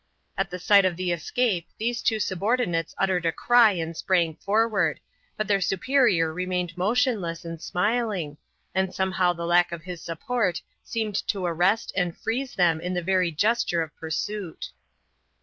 At the sight of the escape these two subordinates uttered a cry and sprang forward, but their superior remained motionless and smiling, and somehow the lack of his support seemed to arrest and freeze them in the very gesture of pursuit.